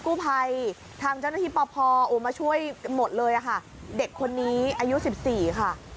กู้ภัยทางเจ้าหน้าที่ปพอมาช่วยหมดเลยค่ะเด็กคนนี้อายุสิบสี่ค่ะ